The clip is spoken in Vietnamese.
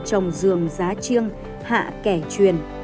trong giường giá trương hạ kẻ truyền